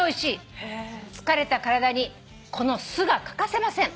「疲れた体にこの酢が欠かせません」